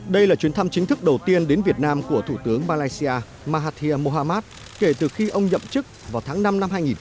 đây là chuyến thăm chính thức đầu tiên đến việt nam của thủ tướng malaysia mahathir mohamad kể từ khi ông nhậm chức vào tháng năm năm hai nghìn một mươi ba